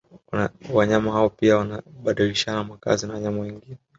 Wanyama hao pia wanabadilishana makazi na wanyama wengine